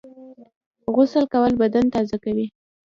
غسل کول بدن تازه کوي